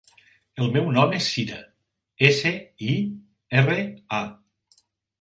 El meu nom és Sira: essa, i, erra, a.